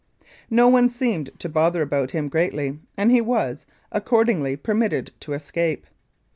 No one seemed to bother about him greatly, and he "was accordingly permitted to escape."